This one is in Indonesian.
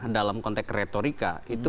dalam konteks retorika itu